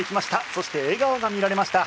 そして笑顔が見られました。